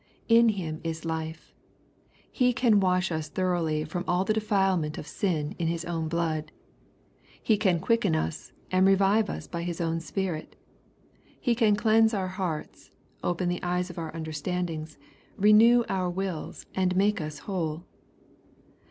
In Him is life. He can wash us thoroughly from all the defilement of sin in His own blood. He can quicken us, and revive us by His own Spirit. He can cleanse our hearts, open the eyes of our understandings, renew our wills, and make us whole.